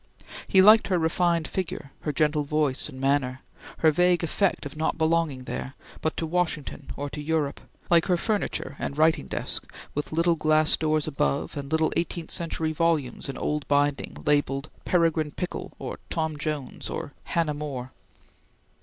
He liked her refined figure; her gentle voice and manner; her vague effect of not belonging there, but to Washington or to Europe, like her furniture, and writing desk with little glass doors above and little eighteenth century volumes in old binding, labelled "Peregrine Pickle" or "Tom Jones" or "Hannah More."